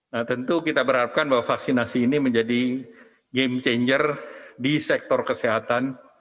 nah tentu kita berharapkan bahwa vaksinasi ini menjadi game changer di sektor kesehatan